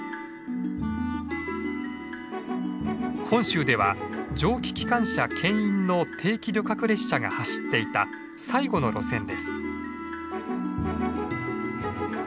本州では蒸気機関車けん引の定期旅客列車が走っていた最後の路線です。